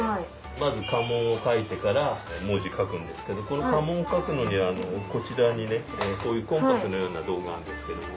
まず家紋を描いてから文字を描くんですけどこの家紋を描くのにはこちらにねコンパスのような道具があるんですけども。